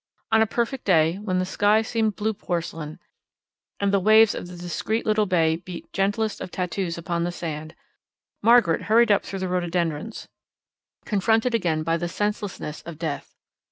On a perfect day, when the sky seemed blue porcelain, and the waves of the discreet little bay beat gentlest of tattoos upon the sand, Margaret hurried up through the rhododendrons, confronted again by the senselessness of Death.